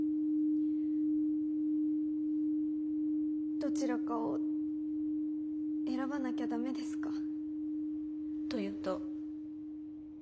どちらかを選ばなきゃ駄目ですか？というと？